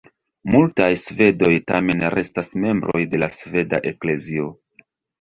Multaj svedoj tamen restas membroj de la sveda Eklezio.